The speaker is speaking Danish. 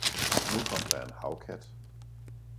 Nu kom der en havkat.